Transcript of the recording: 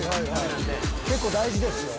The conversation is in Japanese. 結構大事ですよ。